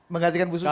menggantikan bu susi